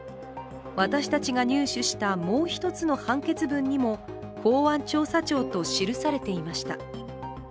私たちが入手したもう一つの判決文にも公安調査庁と記されていました。